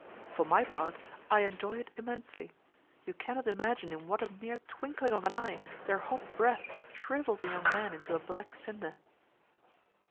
For my part, I enjoy it immensely. You cannot imagine in what a mere twinkling of an eye their hot breath shrivels a young man into a black cinder."